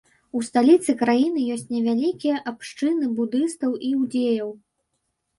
У сталіцы краіны ёсць невялікія абшчыны будыстаў і іўдзеяў.